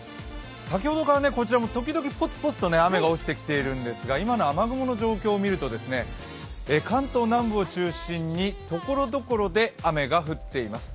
先ほどからこちらもぽつぽつと雨が降り出してきているんですけど、今の雨雲の状況を見ると関東南部を中心にところどころで雨が降っています。